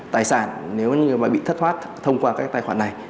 tài sản nếu mà bị thất thoát thông qua các cái tài khoản này